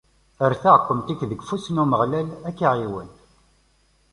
Err taɛkemt-ik deg ufus n Umeɣlal, ad ak-iɛiwen.